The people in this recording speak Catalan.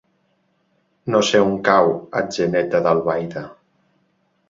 No sé on cau Atzeneta d'Albaida.